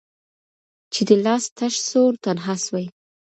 چي دي لاس تش سو تنها سوې